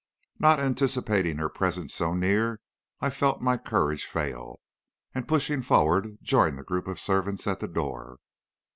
"Not anticipating her presence so near, I felt my courage fail, and pushing forward, joined the group of servants at the door.